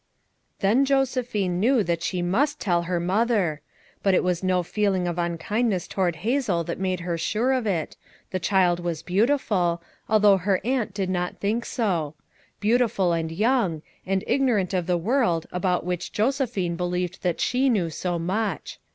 Then Josephine knew that she must tell her mother! But it was no feeling of unkindness toward Hazel that made her sure of it. The child was beautiful, although her aunt did not think so ; beautiful and young, and ignorant of the world about which Josephine believed that she knew so much.